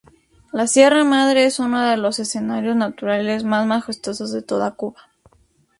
La Sierra Maestra es uno de los escenarios naturales más majestuosos de toda Cuba.